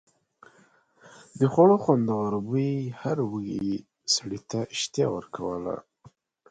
د خوړو خوندور بوی هر بې وږي سړي ته اشتها ورکوله.